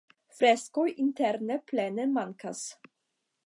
Freskoj interne plene mankas.